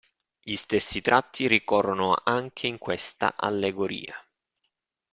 Gli stessi tratti ricorrono anche in questa Allegoria.